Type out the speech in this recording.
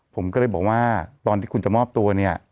ผมก็เลยบอกว่าตอนที่คุณจะมอบตัวเนี่ย